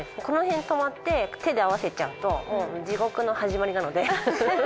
このへん止まって手で合わせちゃうと地獄の始まりなので。